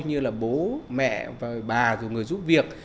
như là bố mẹ bà người giúp việc